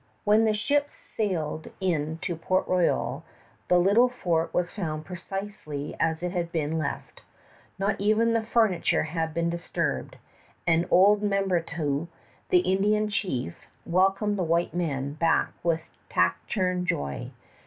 When the ships sailed in to Port Royal the little fort was found precisely as it had been left. Not even the furniture had been disturbed, and old Membertou, the Indian chief, welcomed the white men back with taciturn joy.